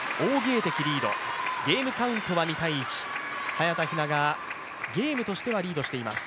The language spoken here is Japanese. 早田ひながゲームとしてはリードしています。